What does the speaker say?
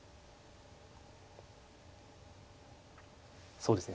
そうですね